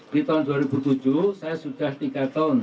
di tahun dua ribu tujuh saya sudah tiga tahun